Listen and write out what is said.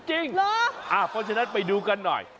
เพราะฉะนั้นไปดูกันหน่อย